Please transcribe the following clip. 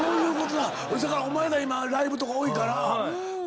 だからお前ら今ライブとか多いから。